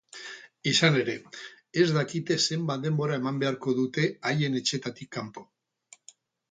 Izan ere, ez dakite zenbat denbora eman beharko dute haien etxeetatik kanpo.